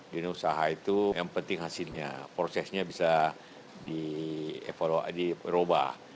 dunia usaha itu yang penting hasilnya prosesnya bisa dirubah